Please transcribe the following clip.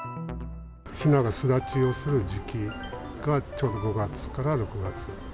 ひなが巣立ちをする時期がちょうど５月から６月。